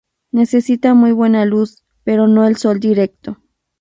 Necesita muy buena luz, pero no el sol directo.